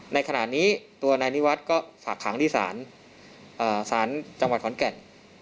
ในขณะนี้ตัวนายนิวัฒน์ก็ฝากขังที่ศาลจังหวัดขอนแก่น